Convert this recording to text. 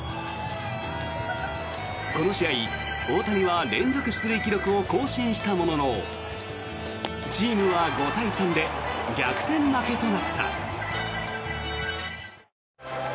この試合、大谷は連続出塁記録を更新したもののチームは５対３で逆転負けとなった。